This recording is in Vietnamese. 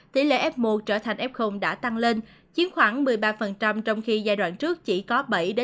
tỷ lệ f một trở thành f đã tăng lên chiếm khoảng một mươi ba trong khi giai đoạn trước chỉ có bảy năm